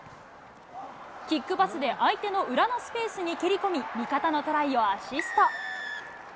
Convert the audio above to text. キックパスで相手の裏のスペースに蹴り込み、味方のトライをアシスト。